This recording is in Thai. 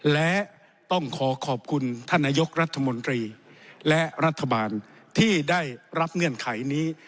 และต้องขอขอบคุณท่านนายกรัฐมนตรีและรัฐบาลที่ได้รับเงื่อนไขนี้